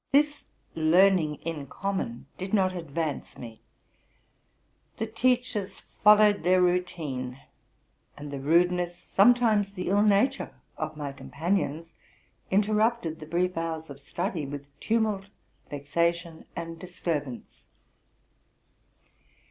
This learning in common did not adyance me: the teachers followed their RELATING TO MY LIFE. 29 routine; and the rudeness, sometimes the ill nature, of my companions, interrupted the brief hours of study with tumult, vexation, and disturbance.